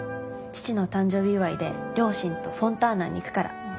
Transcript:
父の誕生日祝いで両親とフォンターナに行くから。